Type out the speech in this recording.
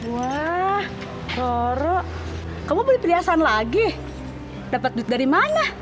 wah koro kamu beli priasan lagi dapet duit dari mana